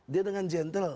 dia dengan gentle